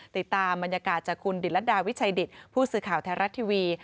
ติดตามบรรยากาศจากคุณดิตรดาวิชัยดิตผู้สื่อข่าวไทยรัฐทีวี